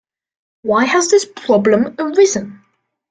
Why has this problem arisen?